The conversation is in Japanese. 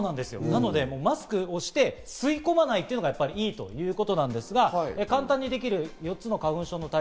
なので、マスクをして吸い込まないというのが良いということなんですが、簡単にできる４つの花粉症の対策。